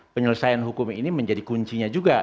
penyelesaian hukum ini menjadi kuncinya juga